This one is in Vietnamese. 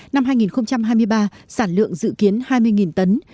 năm hai nghìn hai mươi ba sản lượng dự kiến hai mươi tấn